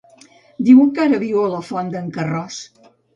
Diuen que ara viu a la Font d'en Carròs.